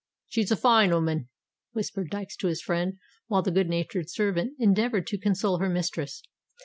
"She's a fine o'oman," whispered Dykes to his friend, while the good natured servant endeavoured to console her mistress.